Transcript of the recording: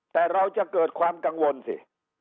แต่เราจะเกิดความกังวลสิ